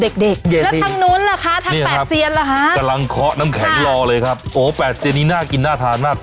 กำลังเคาะน้ำแข็งรอเลยครับโอ้แปดเตี๋ยวนี้น่ากินน่าทานมาก